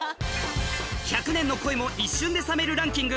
百年の恋も一瞬で冷めるランキング